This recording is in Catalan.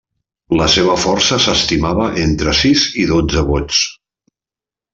La seva força s'estimava entre sis i dotze vots.